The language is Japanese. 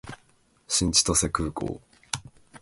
新千歳空港